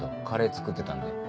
カレー作ってたんで。